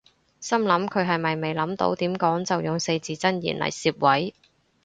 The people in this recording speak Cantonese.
心諗佢係咪未諗到點講就用四字真言嚟攝位